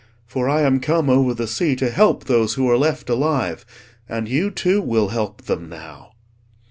For I am come over the sea to help those who are left alive—and you, too, will help them now."